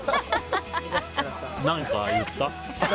何か言った？